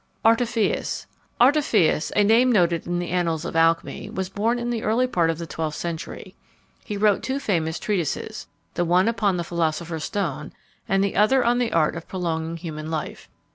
ARTEPHIUS. Artephius, a name noted in the annals of alchymy, was born in the early part of the twelfth century. He wrote two famous treatises; the one upon the philosopher's stone, and the other on the art of prolonging human life.